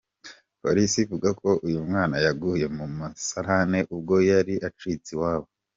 Polisi ivuga ko uyu mwana yaguye mu musarane ubwo yari acitse iwabo.